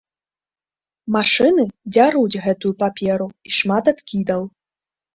Машыны дзяруць гэтую паперу, і шмат адкідаў.